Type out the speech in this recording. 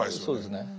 そうですね。